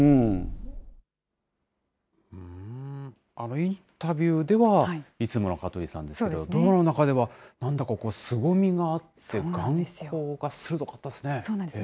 インタビューでは、いつもの香取さんでしたけれども、ドラマの中では、なんだかすごみがあって、眼光が鋭かったですね。